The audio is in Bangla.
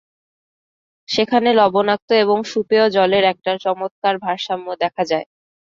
সেখানে লবণাক্ত এবং সুপেয় জলের একটা চমৎকার ভারসাম্য দেখা যায়।